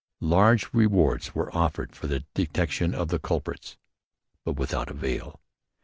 Large rewards were offered for the detection of the culprits; but without avail.